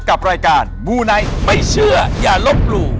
กับรายการมูไนท์ไม่เชื่ออย่าลบหลู่